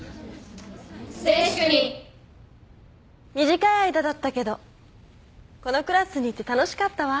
短い間だったけどこのクラスにいて楽しかったわ。